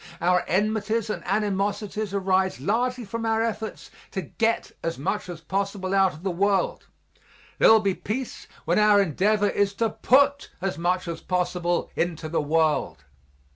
Our enmities and animosities arise largely from our efforts to get as much as possible out of the world there will be peace when our endeavor is to put as much as possible into the world.